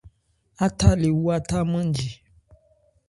Átha lê wú átha nmánji.